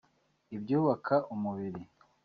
ibyubaka umubiri